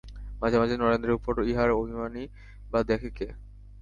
মাঝে মাঝে নরেন্দ্রের উপর ইহার অভিমানই বা দেখে কে।